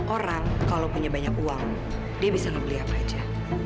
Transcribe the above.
orang kalau punya banyak uang dia bisa ngebeli apa aja